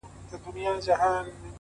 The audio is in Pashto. هغه خو ټوله ژوند تاته درکړی وو په مينه،